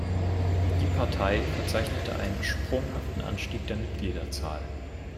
Die Partei verzeichnete einen sprunghaften Anstieg der Mitgliederzahl.